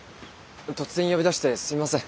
突然呼び出してすいません。